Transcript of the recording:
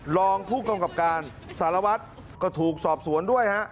รองผู้กำกับการสารวัตรก็ถูกสอบสวนด้วยฮะ